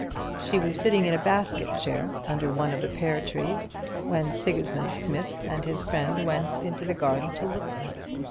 She was sitting in a basket chair under one of the pear trees when Sigismund Smith and his friend went into the garden to look for her.